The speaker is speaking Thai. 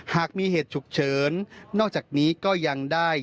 หากมีเหตุฉุกเฉินนอกจากนี้ก็ยังได้